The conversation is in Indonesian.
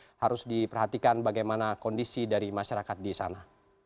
jadi masih harus diperhatikan bagaimana kondisi dari masyarakat di sana